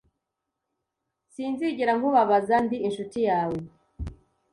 Sinzigera nkubabaza; Ndi inshuti yawe!